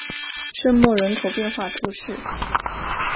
圣莫人口变化图示